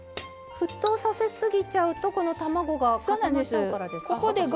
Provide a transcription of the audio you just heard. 沸騰させすぎちゃうとこの卵が固まっちゃうからですか。